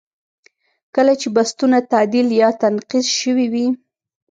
کله چې بستونه تعدیل یا تنقیض شوي وي.